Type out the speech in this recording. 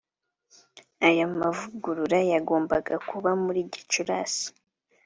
Aya mavugurura yagombaga kuba muri Gicurasi